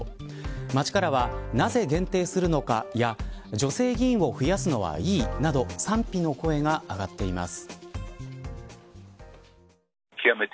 街からは、なぜ限定するのかや女性議員を増やすのはいいなど賛否の声が上がっています。